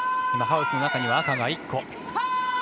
ハウスの中には今、赤が１個。